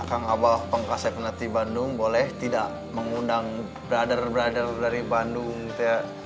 akang abah pengkasih penanti bandung boleh tidak mengundang brother brother dari bandung gitu ya